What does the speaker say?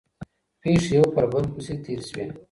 پېښې یو پر بل پسې تېرې سوې.